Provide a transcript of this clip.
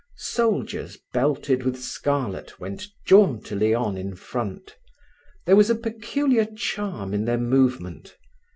Soldiers, belted with scarlet, went jauntily on in front. There was a peculiar charm in their movement.